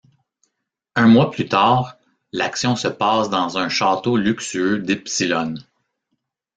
Un mois plus tard, l'action se passe dans un château luxueux d'Ipsilonne.